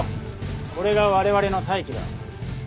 これが我々の隊旗だ。